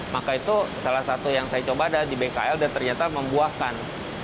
maka itu salah satu yang saya coba ada di bkl dan ternyata membuahkan